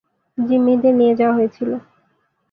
জিম্মিদের নিয়ে যাওয়া হয়েছিল।